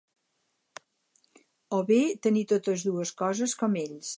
O bé tenir totes dues coses com ells.